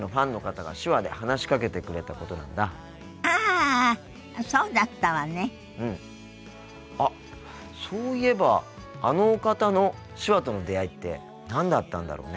あっそういえばあのお方の手話との出会いって何だったんだろうね。